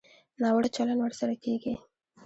ناوړه چلند ورسره کېږي.